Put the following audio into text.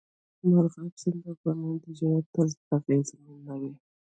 مورغاب سیند د افغانانو د ژوند طرز اغېزمنوي.